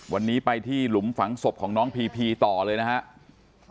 วันนี้ไปที่หลุมฝังศพของน้องพีพีต่อเลยนะครับ